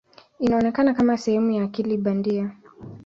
Inaonekana kama sehemu ya akili bandia.